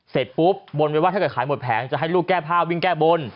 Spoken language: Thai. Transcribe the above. เสร็จปุ๊บบนไว้ว่าถ้าเกิดขายหมดแผงจะให้ลูกแก้ผ้าวิ่งแก้บน